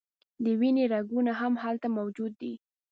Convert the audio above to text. د وینې رګونه هم هلته موجود دي.